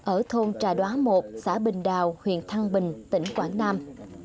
ở thôn trà đoá một xã bình đào huyện thăng bình tỉnh quảng nam